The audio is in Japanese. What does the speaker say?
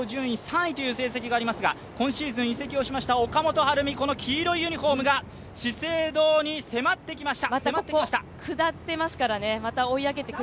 過去最高順位１位という成績がありましたが今シーズン移籍をしました岡本春美、この黄色いユニフォームが資生堂に迫ってきました。